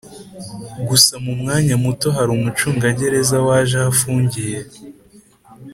gusa mu mwanya muto hari umucungagereza waje aho afungiye